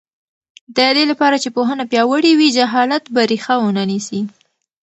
د دې لپاره چې پوهنه پیاوړې وي، جهالت به ریښه ونه نیسي.